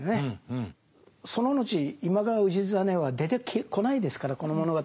その後今川氏真は出てこないですからこの物語に。